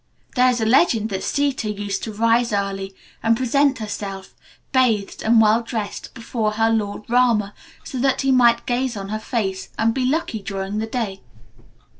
There is a legend that Sita used to rise early, and present herself, bathed and well dressed, before her lord Rama, so that he might gaze on her face, and be lucky during the day.